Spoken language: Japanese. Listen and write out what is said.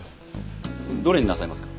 どれになさいますか？